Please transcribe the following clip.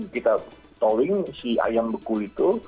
kita towing si ayam bekul itu